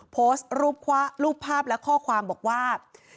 โพสต์รูปภาพและข้อความบอกว่า